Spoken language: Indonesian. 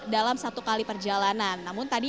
dalam satu kali perjalanan namun tadi